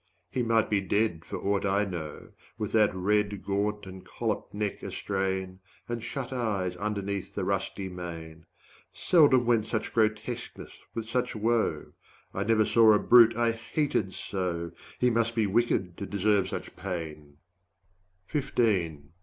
he might be dead for aught I know, With that red gaunt and colloped neck a strain, 80 And shut eyes underneath the rusty mane; Seldom went such grotesqueness with such woe; I never saw a brute I hated so; He must be wicked to deserve such pain.